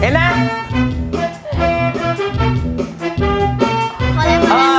เห็นแล้ว